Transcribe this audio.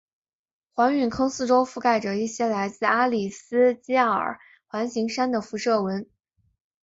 环陨坑四周覆盖着一些来自阿里斯基尔环形山的辐射纹。